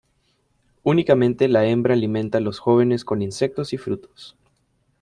Únicamente la hembra alimenta los jóvenes con insectos y frutos.